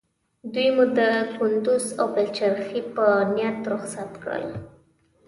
دوی مو د کندوز او پلخمري په نیت رخصت کړل.